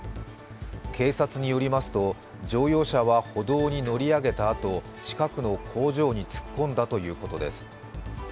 警察によりますと、乗用車は歩道に乗り上げたあと、近くの工場に突っ込んだということです。